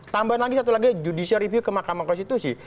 tambahan lagi satu lagi judicial review ke mahkamah konstitusi